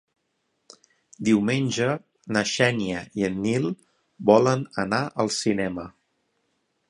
Diumenge na Xènia i en Nil volen anar al cinema.